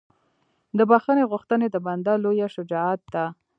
د بښنې غوښتنه د بنده لویه شجاعت ده.